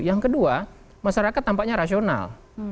yang kedua masyarakat tampaknya rasional